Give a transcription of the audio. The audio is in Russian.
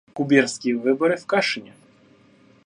Губернские выборы в Кашине.